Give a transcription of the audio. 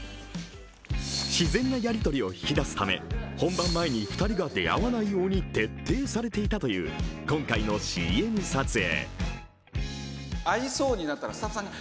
自然なやりとりを引き出すため本番前に２人が出会わないように徹底されていたという今回のＣＭ撮影。